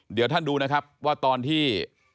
เดี๋ยวท่านดูนะครับว่าตอนที่